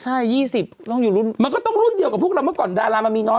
ใช่๒๐ต้องอยู่รุ่นมันก็ต้องรุ่นเดียวกับพวกเราเมื่อก่อนดารามันมีน้อย